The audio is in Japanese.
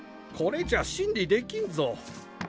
これじゃ審理できんぞ。